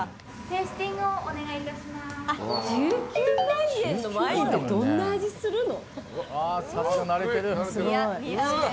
１９万円のワインってどんな味するの？